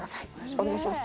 お願いします。